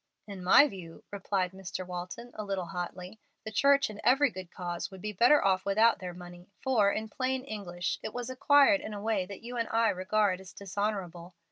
"In my view," replied Mr. Walton, a little hotly, "the church and every good cause would be better off without their money, for, in plain English, it was acquired in a way that you and I regard as dishonorable.